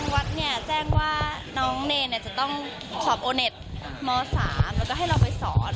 วัดเนี่ยแจ้งว่าน้องเนรจะต้องขอบโอเน็ตม๓แล้วก็ให้เราไปสอน